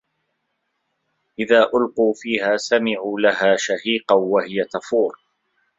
إِذا أُلقوا فيها سَمِعوا لَها شَهيقًا وَهِيَ تَفورُ